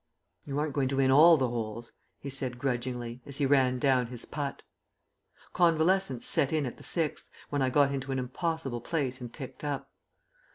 "You aren't going to win all the holes," he said grudgingly, as he ran down his putt. Convalescence set in at the sixth, when I got into an impossible place and picked up.